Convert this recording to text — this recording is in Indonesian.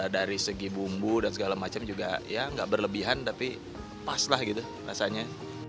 dari segi bumbu dan segala macam juga ya nggak berlebihan tapi pas lah gitu rasanya